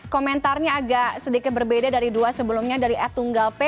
komentarnya agak sedikit berbeda dari dua sebelumnya dari ed tunggal p